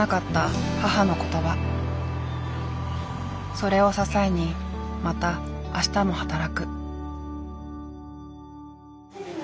それを支えにまた明日も働く。